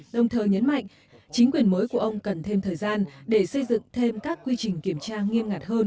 đồng thời nhấn mạnh chính quyền mới của ông cần thêm thời gian để xây dựng thêm các quy trình kiểm tra nghiêm ngặt hơn